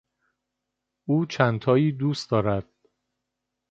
او چندتایی دوست دارد.